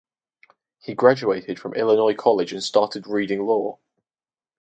He graduated from Illinois College and started reading law.